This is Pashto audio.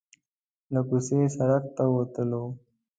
له کوڅې سړک ته وتلو.